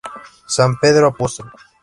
San Pedro Apóstol.